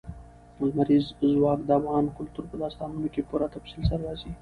لمریز ځواک د افغان کلتور په داستانونو کې په پوره تفصیل سره راځي.